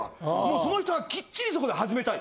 その人はきっちりそこで始めたい。